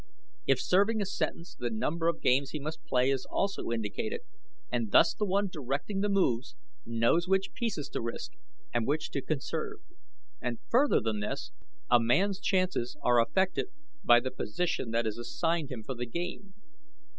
If serving a sentence the number of games he must play is also indicated, and thus the one directing the moves knows which pieces to risk and which to conserve, and further than this, a man's chances are affected by the position that is assigned him for the game.